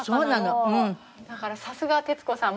だからさすが徹子さん